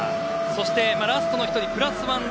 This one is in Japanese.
そしてラストの１人プラスワン